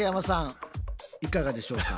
いかがでしょうか？